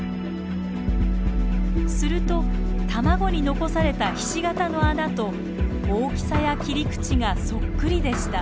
すると卵に残されたひし形の穴と大きさや切り口がそっくりでした。